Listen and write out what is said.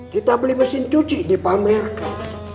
kita beli mesin cuci dipamerkan